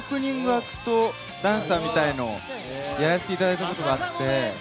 アクトダンサーみたいなのをやらせていただいたことがあって。